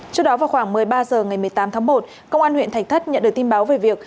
trước đó vào khoảng một mươi ba h ngày một mươi tám tháng một công an huyện thạch thất nhận được tin báo về việc